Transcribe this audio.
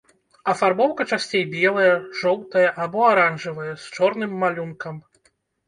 Афарбоўка часцей белая, жоўтая або аранжавая, з чорным малюнкам.